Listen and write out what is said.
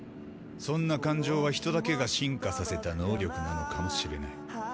そんな感情はヒトだけが進化させた能力なのかもしれない。